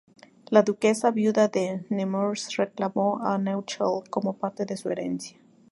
La duquesa viuda de Nemours reclamó a Neuchâtel como parte de su herencia.